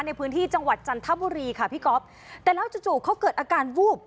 ในพื้นที่จังหวัดจันทบุรีค่ะพี่ก๊อฟแต่แล้วจู่จู่เขาเกิดอาการวูบ